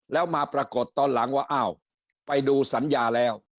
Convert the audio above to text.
แล้วมาปรากฏตอนหลังว่าอ้าวไปดูสัญญาแล้ว